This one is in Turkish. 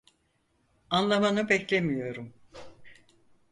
Anlamanı beklemiyorum.